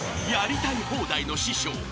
［やりたい放題の師匠。